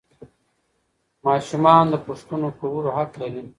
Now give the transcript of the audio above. ماشومان د پوښتنو کولو حق لري